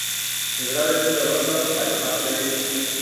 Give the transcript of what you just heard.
جګړه د دین له روح سره مخالفت لري